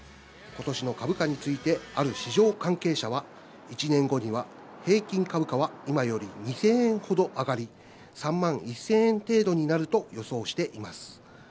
今年の株価についてある市場関係者は、１年後には平均株価は今より２０００円ほど上がり、３万１０００円程度になると予想しています。